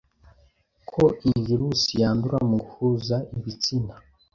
ko iyi virus yandura mu guhuza ibitsina,